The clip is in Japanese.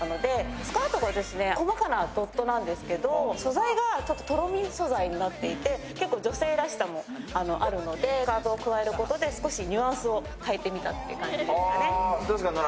スカートが細かなドットなんですけど、素材がとろみ素材になっていて、結構女性らしさもあるので、スカートを加えることで少しニュアンスを変えてきたということです。